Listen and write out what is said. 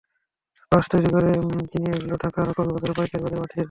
Brush তৈরি করে তিনি এগুলো ঢাকার চকবাজারের পাইকারি বাজারে পাঠিয়ে দেন।